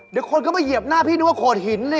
เดี๋ยวคนก็มาเหยียบหน้าพี่นึกว่าโขดหินเลย